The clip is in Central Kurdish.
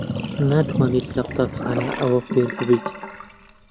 ناتوانیت لە قوتابخانە ئەوە فێر ببیت.